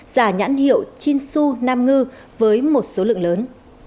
giả nhãn hiệu chinsu nam ngư với một số lượng lớn